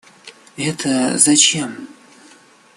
Это зачем?